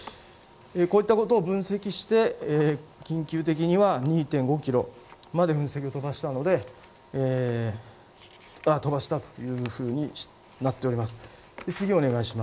こういったことを分析して緊急的には２．５ｋｍまで噴石を飛ばしたというふうになっております。